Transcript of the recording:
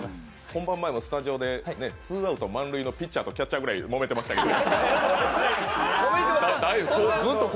本番前は、ツーアウト満塁のピッチャーとキャッチョーくらいもめてましたけど。